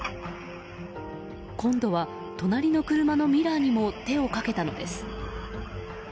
今度は隣の車のミラーにも手をかけたのです。